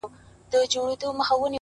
د دې نړۍ انسان نه دی په مخه یې ښه.